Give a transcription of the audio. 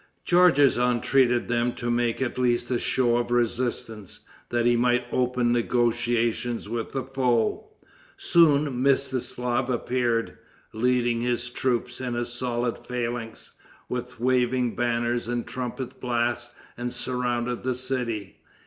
Georges entreated them to make at least a show of resistance, that he might open negotiations with the foe. Soon Mstislaf appeared, leading his troops in solid phalanx, with waving banners and trumpet blasts, and surrounded the city.